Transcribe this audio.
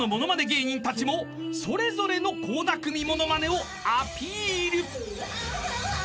芸人たちもそれぞれの倖田來未モノマネをアピール］